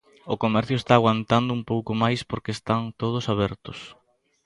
O comercio está aguantando un pouco máis porque están todos abertos.